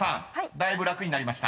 だいぶ楽になりました］